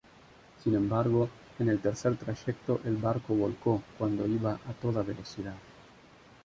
Sin embargo, en el tercer trayecto el barco volcó cuando iba a toda velocidad.